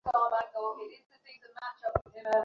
তারপর Abu Jahl Abdullah ibn জাহাসের বাড়ী দখল করে নিল।